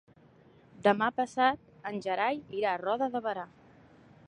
Demà passat en Gerai irà a Roda de Berà.